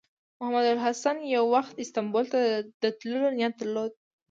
محمود الحسن یو وخت استانبول ته د تللو نیت درلود.